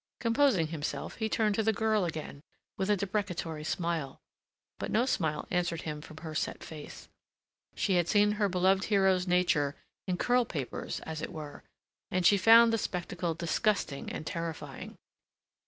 Composing himself, he turned to the girl again with a deprecatory smile. But no smile answered him from her set face. She had seen her beloved hero's nature in curl papers, as it were, and she found the spectacle disgusting and terrifying.